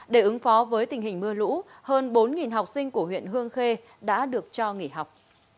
để ứng phó với tình hình mưa lũ hơn bốn học sinh của huyện hương khê đã được cho nghỉ học